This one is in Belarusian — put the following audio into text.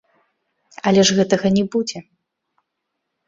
Але ж гэтага не будзе.